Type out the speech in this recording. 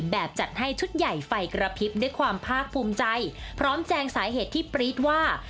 แบบจัดให้ชุดใหญ่ไฟกระพริบด้วยความภาคภูมิใจพร้อมแจงสาเหตุที่ปรี๊ดว่า